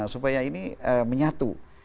supaya ini menyatu